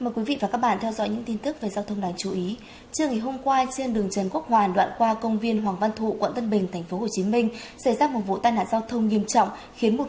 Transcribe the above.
các bạn hãy đăng ký kênh để ủng hộ kênh của chúng mình nhé